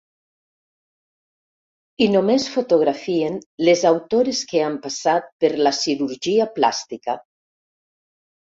I només fotografien les autores que han passat per la cirurgia plàstica.